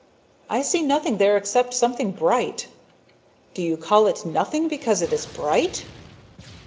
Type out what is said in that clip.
"I see nothing there except something bright." "Do you call it nothing because it is bright?"